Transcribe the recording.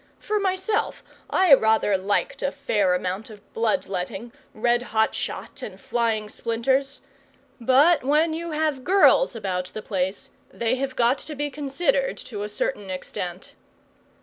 For myself, I rather liked a fair amount of blood letting, red hot shot, and flying splinters. But when you have girls about the place, they have got to be considered to a certain extent.